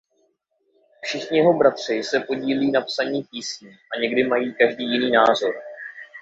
Všichni bratři se podílí na psaní písní a někdy mají každý jiný názor.